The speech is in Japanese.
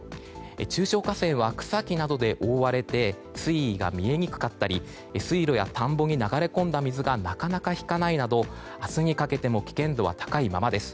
中小河川は草木などで覆われて水位が見えにくかったり水路や田んぼに流れ込んだ水がなかなか引かないなど明日にかけても危険度は高いままです。